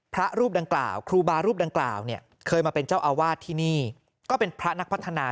พระรูปดังกล่าวครูบารูปดังกล่าวเนี่ยเคยมาเป็นเจ้าอาวาสที่นี่ก็เป็นพระนักพัฒนา